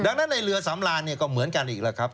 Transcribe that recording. ดังนั้นในเรือสำรานเนี่ยก็เหมือนกันอีกแล้วครับ